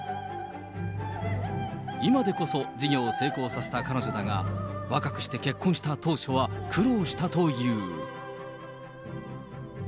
今でこそ事業を成功させた彼女だが、若くして結婚した当初は苦労したという。